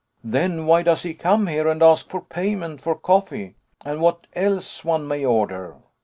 "Then why does he come here and ask for payment for coffee and what else one may order?"